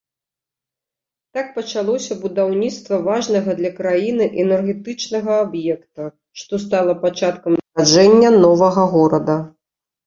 Так пачалося будаўніцтва важнага для краіны энергетычнага аб'екта, што стала пачаткам нараджэння новага горада.